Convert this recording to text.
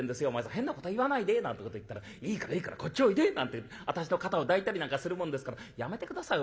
変なこと言わないで』なんてこと言ったら『いいからいいからこっちおいで』なんて私の肩を抱いたりなんかするもんですから『やめて下さいお前さん。